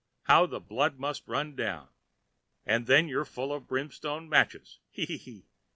How the blood must run down. And then you're full of brimstone matches. He! he!"